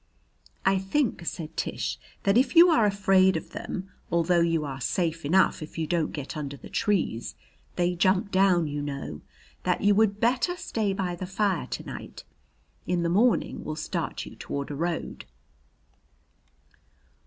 "I think," said Tish, "that if you are afraid of them although you are safe enough if you don't get under the trees; they jump down, you know that you would better stay by the fire to night. In the morning we'll start you toward a road."